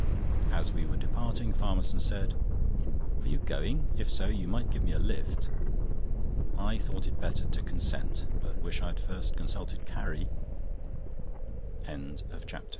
As we were departing, Farmerson said: "Are you going? if so, you might give me a lift." I thought it better to consent, but wish I had first consulted Carrie. CHAPTER V Aft